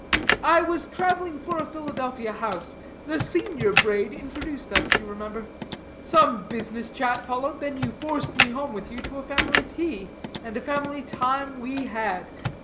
I was traveling for a Philadelphia house. The senior Brade introduced us, you remember; some business chat followed, then you forced me home with you to a family tea, and a family time we had.